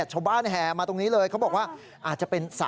ชาวบ้านแหมาตรงนี้เลยเขาบอกว่าอาจจะเป็น๓๗๕